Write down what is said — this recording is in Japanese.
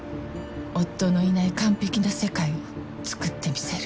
夫のいない完璧な世界をつくってみせる。